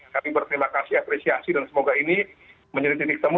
kami berterima kasih apresiasi dan semoga ini menjadi titik temu